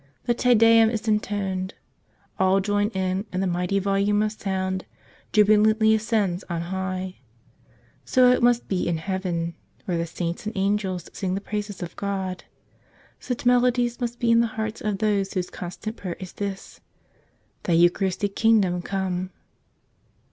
The Te Deum is intoned. All join in, and the mighty volume of sound jubilantly ascends on high. So it must be in heaven, where the saints and angels sing the praises of God ; such melodies must be in the hearts of those whose constant prayer is this, "Thy Eucharistic kingdom come!"